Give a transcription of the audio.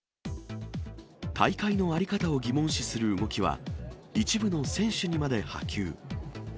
大会の在り方を疑問視する動きは、一部の選手にまで波及。